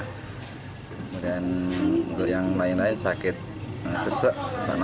kemudian untuk yang lain lain sakit sesek